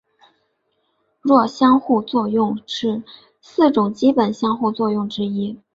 弱相互作用是四种基本相互作用之一。